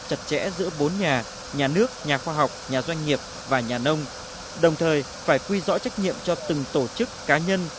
chặt chẽ giữa bốn nhà nhà nước nhà khoa học nhà doanh nghiệp và nhà nông đồng thời phải quy rõ trách nhiệm cho từng tổ chức cá nhân